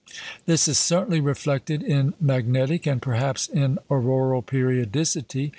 This is certainly reflected in magnetic, and perhaps in auroral periodicity.